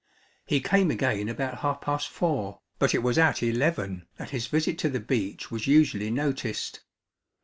He came again about half past four, but it was at eleven that his visit to the beech was usually noticed.